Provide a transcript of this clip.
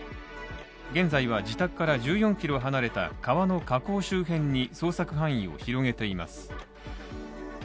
現在は自宅から１４ｋｍ離れた川の河口周辺に捜索範囲を広げています。